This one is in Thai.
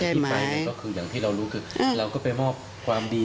อย่างที่เรารู้คือเราก็ไปมอบความดี